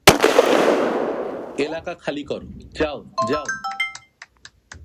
এলাকা খালি কর, যাও, যাও!